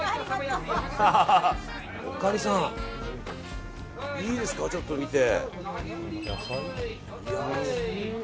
おかみさん、いいですかちょっと見て。